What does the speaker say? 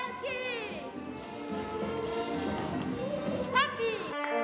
ハッピー！